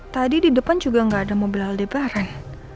tadi di depan juga gak ada mobil aldebaran